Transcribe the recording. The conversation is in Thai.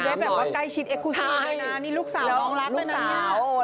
เขาได้แบบว่าใกล้ชิดเอ็ฐพุสู่ไหมลูกสาวลองรัดไปหน้านี่